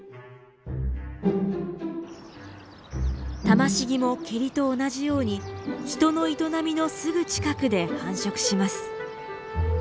タマシギもケリと同じように人の営みのすぐ近くで繁殖します。